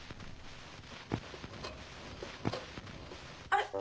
あれ？